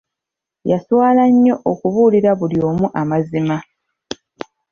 Yaswala nnyo okubuulira buli omu amazima.